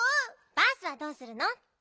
バースはどうするの？